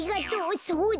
そうだ。